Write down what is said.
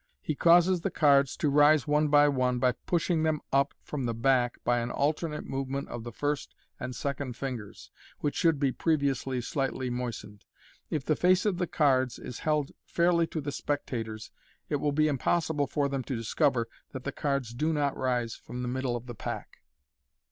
45), he causes the cards to rise one by one by pushing them up from the back by an alternate movement of the first and second fingers (which should previously be slightly moistened). If the face of the cards is held fairly to the spectators, it will be impossible for them to discover that the cards do not rise from the middle of the pack.